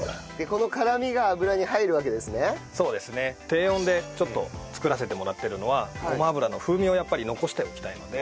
低温でちょっと作らせてもらってるのはごま油の風味をやっぱり残しておきたいので。